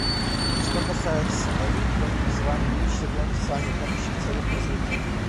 Что касается Сомали, то мы призываем увеличить объем официальной помощи в целях развития.